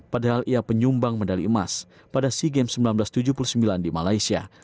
padahal ia penyumbang medali emas pada sea games seribu sembilan ratus tujuh puluh sembilan di malaysia